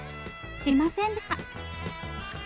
知りませんでした。